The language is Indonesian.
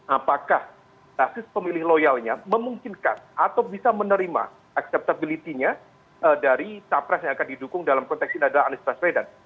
apakah taksis pemilih loyalnya memungkinkan atau bisa menerima acceptability nya dari capres yang akan didukung dalam proteksi anies baswedan